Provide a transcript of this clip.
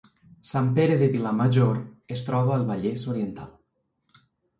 Sant Pere de Vilamajor es troba al Vallès Oriental